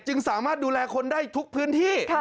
สามารถดูแลคนได้ทุกพื้นที่